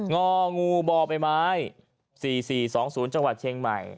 งองูบ่อใบไม้๔๔๒๐จังหวัดเชียงใหม่